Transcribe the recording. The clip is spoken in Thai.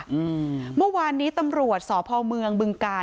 อืมเมื่อวานนี้ตำรวจสพเมืองบึงกาล